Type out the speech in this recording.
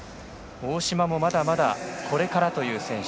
大島もまだまだこれからという選手。